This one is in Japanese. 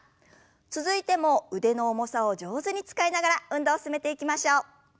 続いても腕の重さを上手に使いながら運動を進めていきましょう。